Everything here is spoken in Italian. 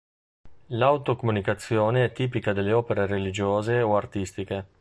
L'autocomunicazione è tipica delle opere religiose o artistiche.